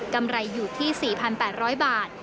ไรอยู่ที่๔๘๐๐บาท